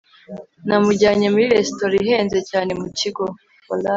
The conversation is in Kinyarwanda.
namujyanye muri resitora ihenze cyane mu kigo